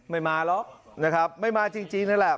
ไม่มาหรอกไม่มาจริงนั่นแหละ